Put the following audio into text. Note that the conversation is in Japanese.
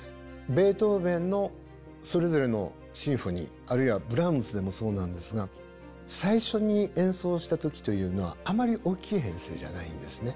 ベートーヴェンのそれぞれのシンフォニーあるいはブラームスでもそうなんですが最初に演奏した時というのはあまり大きい編成じゃないんですね。